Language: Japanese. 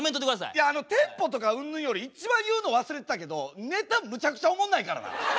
いやテンポとかうんぬんより一番言うの忘れてたけどネタむちゃくちゃおもんないからな。